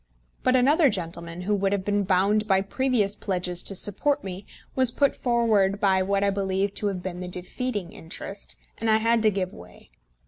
But another gentleman, who would have been bound by previous pledges to support me, was put forward by what I believe to have been the defeating interest, and I had to give way.